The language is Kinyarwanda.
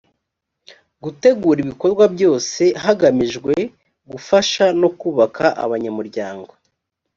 gutegura ibikorwa byose hagamijwe gufasha no kubaka abanyamuryango